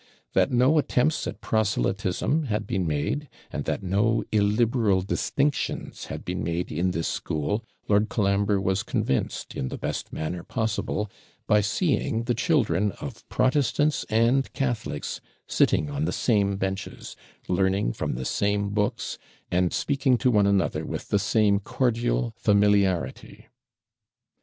That no attempts at proselytism had been made, and that no illiberal distinctions had been made in this school, Lord Colambre was convinced, in the best manner possible, by seeing the children of Protestants and Catholics sitting on the same benches, learning from the same books, and speaking to one another with the same cordial familiarity.